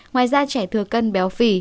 ngoài ra trẻ thừa cân béo phì